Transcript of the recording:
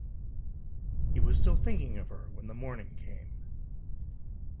He was still thinking of her when the morning came.